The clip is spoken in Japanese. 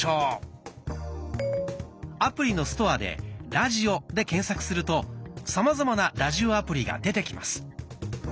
アプリのストアで「ラジオ」で検索するとさまざまなラジオアプリが出てきます。